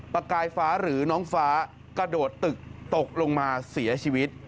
ประกายฟ้าหรือน้องฟ้ากระโดดตึกตกลงมาเสียชีวิต